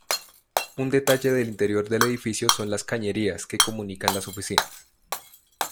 Un detalle del interior del edificio son la cañerías que comunican las oficinas.